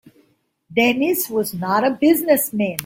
Dennis was not a business man.